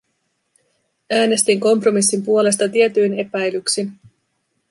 Äänestin kompromissin puolesta tietyin epäilyksin.